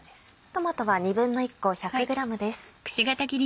トマトは１／２個１００ｇです。